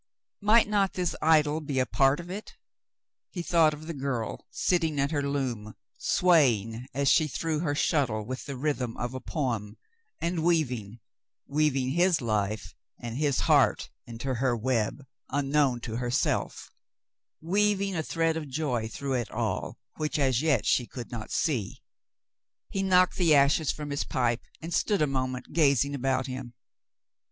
Might not this idyl be a part of it ? He thought of the girl sitting at her loom, swaying as she threw her shuttle with the rhythm of a poem, and weaving — weaving his life and his heart into her web, unknown to herself — weaving a thread of joy through it all which as yet she could not see. He knocked the ashes from his pipe and stood a moment gazing about him.